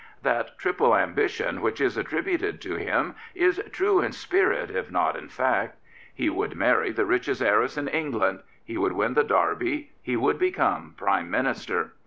That triple ambition which is attributed to him is true in spirit if not in fact. He would marry the richest heiress in England; he would win the Derby; he would become Prime Minister.